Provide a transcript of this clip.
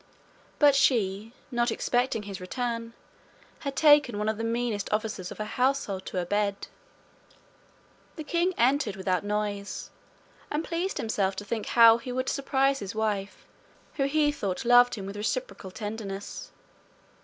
But she, not expecting his return, had taken one of the meanest officers of her household to her bed. The king entered without noise, and pleased himself to think how he should surprise his wife who he thought loved him with reciprocal tenderness.